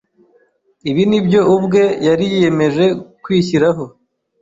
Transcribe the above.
Ibi ni byo ubwe yari yiyemeje kwishyiraho.